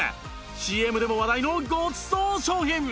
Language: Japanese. ＣＭ でも話題のごちそう商品